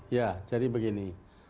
ya jadi begini